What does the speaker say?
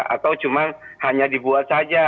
atau cuma hanya dibuat saja